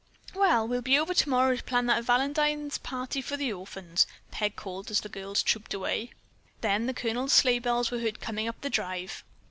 "Well, we'll be over tomorrow to plan that Valentine party for the orphans," Peg called as the girls trooped away. Then the Colonel's sleigh bells were heard coming up the drive.